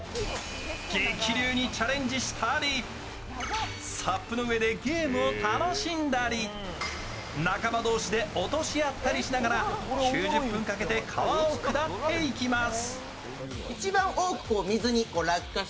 激流にチャレンジしたり、サップの上でゲームを楽しんだり、仲間同士で落としあったりしながら９０分かけて川を下っていきます。